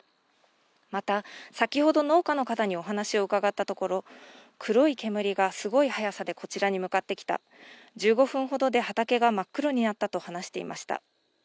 また先ほど農家の方にお話を伺ったところ、黒い煙がすごい速さでこちらに向かってきた１５分ほどで畑が真っ黒になったと話していました。